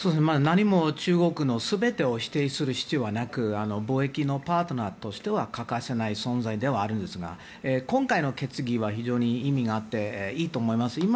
何も中国の全てを否定する必要はなく貿易のパートナーとしては欠かせない存在ではあるんですが今回の決議は非常に意味があっていいと思います。